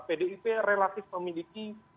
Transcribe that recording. pdip relatif memiliki